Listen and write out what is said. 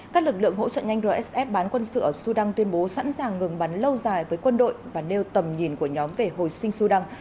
các lực lượng hỗ trợ nhanh rsf bán quân sự ở sudan tuyên bố sẵn sàng ngừng bắn lâu dài với quân đội và nêu tầm nhìn của nhóm về hồi sinh sudan